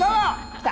来た！